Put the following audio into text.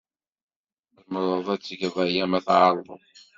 Tzemreḍ ad tgeḍ aya ma tɛerḍeḍ.